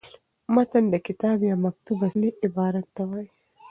متن د کتاب یا مکتوت اصلي عبارت ته وايي.